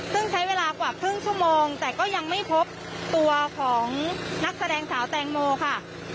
ซึ่งใช้เวลากว่าครึ่งชั่วโมงแต่ก็ยังไม่พบตัวของนักแสดงสาวแตงโมค่ะ